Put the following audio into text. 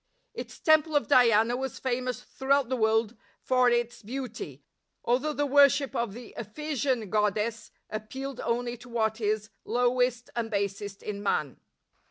Its temple of Diana was famous throughout the world for its beauty, although the worship of the Ephesian god dess appealed only to what is lowest and basest in man.